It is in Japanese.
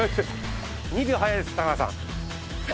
２秒早いです太川さん。